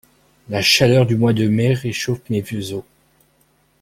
La chaleur du mois de mai réchauffe mes vieux os.